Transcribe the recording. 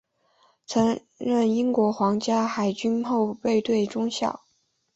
曾任英国皇家海军后备队中校。